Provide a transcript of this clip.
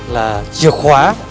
là chìa khóa